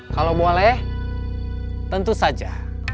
kalau boleh tentu saja